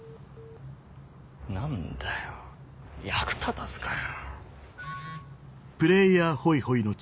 何だよ役立たずかよ。